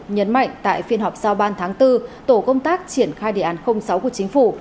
nhấn mạnh tại phiên họp sau ban tháng bốn tổ công tác triển khai đề án sáu của chính phủ